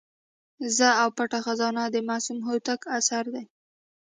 زه او پټه خزانه د معصوم هوتک اثر دی.